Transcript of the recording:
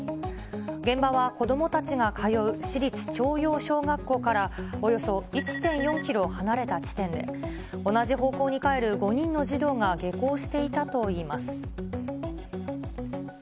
現場は子どもたちが通う市立朝陽小学校からおよそ１．４キロ離れた地点で、同じ方向に帰る５人の児童が下校していたといいます。